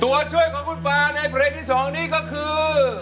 ตัวช่วยของคุณฟ้าในเพลงที่๒นี้ก็คือ